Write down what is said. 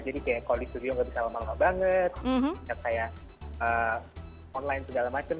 jadi kayak kalau di studio nggak bisa lama lama banget nggak kayak online segala macam